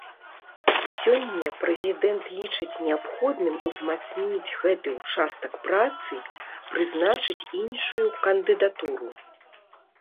Сёння прэзідэнт лічыць неабходным узмацніць гэты ўчастак працы, прызначыць іншую кандыдатуру.